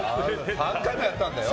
３回もやったんだよ。